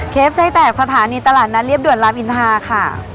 ไส้แตกสถานีตลาดนัดเรียบด่วนรามอินทาค่ะ